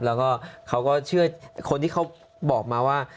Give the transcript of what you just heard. แล้วก็เขาก็เชื่อคนที่เขาบอกมาว่า